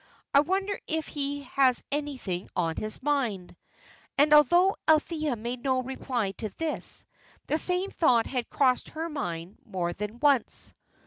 "I wonder if he has anything on his mind?" And though Althea made no reply to this, the same thought had crossed her mind more than once.